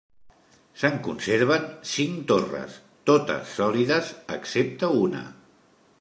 Se'n conserven cinc torres, totes sòlides excepte una.